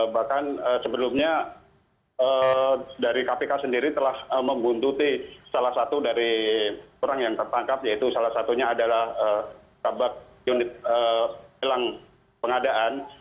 bahkan sebelumnya dari kpk sendiri telah membuntuti salah satu dari orang yang tertangkap yaitu salah satunya adalah kabak unit lelang pengadaan